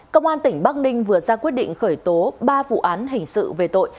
công an tỉnh bắc ninh vừa ra quyết định khởi tố ba vụ án hình sự về tội